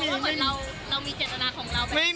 เพราะเหมือนเรามีเจตนาของเราแบบนี้